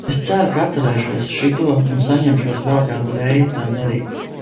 Es ceru, ka atcerēšos šito un saņemšos vēl kādu reizi tā darīt.